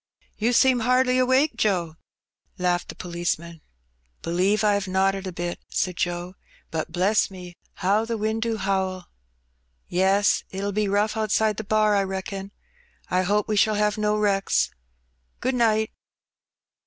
You seem hardly awake, Joe," laughed the policeman. "Believe I 'ave nodded a bit," said Joe. "But, bless me, how the wind do howl !'* "Yes, it'll be rough outside the *bar,' I reckon. I hope we shall have no wrecks. Good night."